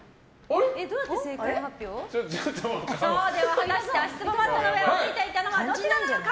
果たして足ツボマットの上を歩いていたのはどちらなのか。